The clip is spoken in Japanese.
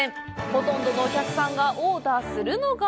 ほとんどのお客さんがオーダーするのが。